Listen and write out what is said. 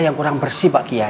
yang kurang bersih pak kiai